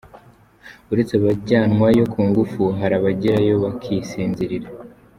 Uretse abajyanwayo ku ngufu hari abagerayo bakisinzirira!